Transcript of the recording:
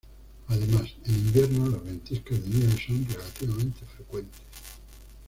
Además, en invierno, las ventiscas de nieve son relativamente frecuentes.